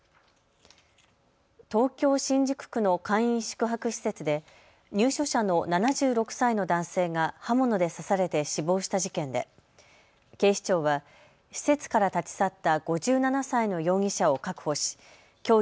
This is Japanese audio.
東京新宿区の簡易宿泊施設で入所者の７６歳の男性が刃物で刺されて死亡した事件で警視庁は施設から立ち去った５７歳の容疑者を確保しきょう